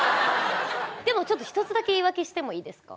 でもちょっと１つだけ言い訳してもいいですか？